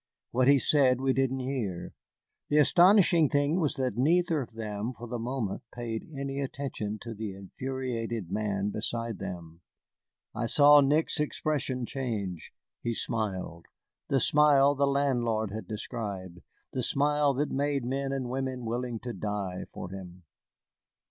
What he said we didn't hear. The astonishing thing was that neither of them for the moment paid any attention to the infuriated man beside them. I saw Nick's expression change. He smiled, the smile the landlord had described, the smile that made men and women willing to die for him.